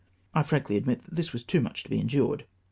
I frankly admit that this was too much to be endured.